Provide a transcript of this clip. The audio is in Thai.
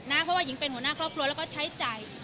เพราะว่าหญิงเป็นหัวหน้าครอบครัวแล้วก็ใช้จ่าย